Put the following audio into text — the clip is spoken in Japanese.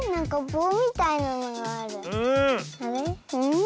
うん！